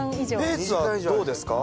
ペースはどうですか？